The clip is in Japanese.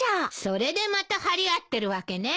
それでまた張り合ってるわけね。